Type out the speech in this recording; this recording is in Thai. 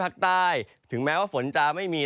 ภาคใต้ถึงแม้ว่าฝนจะไม่มี